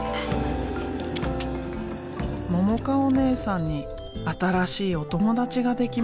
ももかおねえさんに新しいお友達ができました。